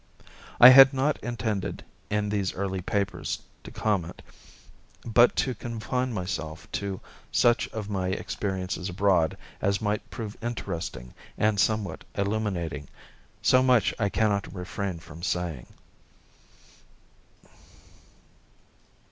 I had not intended in these early papers to comment, but to confine myself to such of my experiences abroad as might prove interesting and somewhat illuminating. So much I cannot refrain from saying.